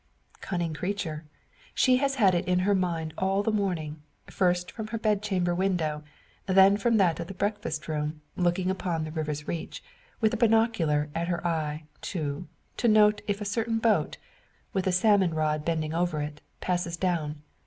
Cunning creature! She has had it in her mind all the morning; first from her bed chamber window, then from that of the breakfast room, looking up the river's reach, with the binocular at her eye, too, to note if a certain boat, with a salmon rod bending over it, passes down.